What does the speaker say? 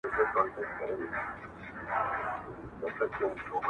دا کيسه د انسانيت د سقوط ژور انځور دی